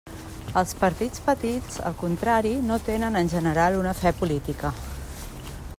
Els partits petits, al contrari, no tenen en general una fe política.